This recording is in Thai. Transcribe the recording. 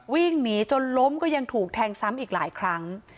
วิ่งหนีจนล้มก็ยังถูกแทงซ้ำอีกหลายครั้ง